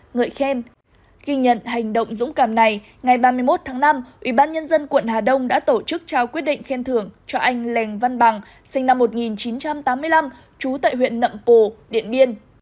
ngợi khen ghi nhận hành động dũng cảm này ngày ba mươi một tháng năm ubnd quận hà đông đã tổ chức trao quyết định khen thưởng cho anh lèng văn bằng sinh năm một nghìn chín trăm tám mươi năm trú tại huyện nậm pồ điện biên